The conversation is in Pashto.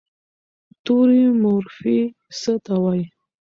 توري مورفي څه ته وایي؟